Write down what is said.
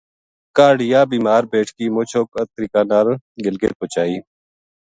کاہڈ یاہ بیمار بیٹکی مُچ اوکھا طریقہ نال گلگت پوہچائی